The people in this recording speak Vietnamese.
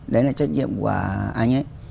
đấy là trách nhiệm của anh ấy